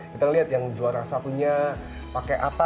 kita lihat yang juara satunya pakai apa